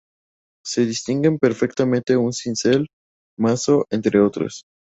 Se distinguen perfectamente un cincel, mazo… entre otras.